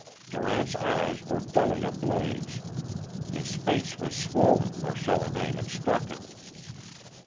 Durant's eyes were dully ablaze. His face was swollen where Challoner had struck him.